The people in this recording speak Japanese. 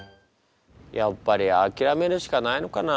やっぱり諦めるしかないのかな。